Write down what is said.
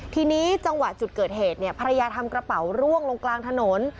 ทีนี้จังหวะจุดเกิดเหตุเนี่ยภรรยาทำกระเป๋าร่วงลงกลางถนน